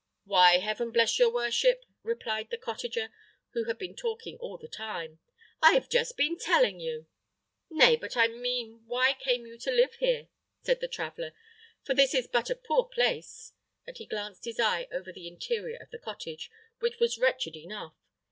"Why, heaven bless your worship!" replied the cottager, who had been talking all the time, "I have just been telling you." "Nay, but I mean, why you came to live here?" said the traveller, "for this is but a poor place;" and he glanced his eye over the interior of the cottage, which was wretched enough.